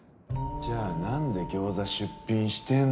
じゃあなんで餃子出品してんだよ。